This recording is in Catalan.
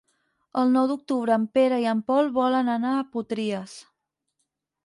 El nou d'octubre en Pere i en Pol volen anar a Potries.